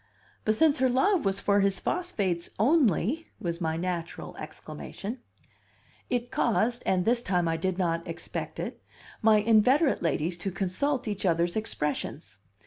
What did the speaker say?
"But since her love was for his phosphates only !" was my natural exclamation. It caused (and this time I did not expect it) my inveterate ladies to consult each other's expressions.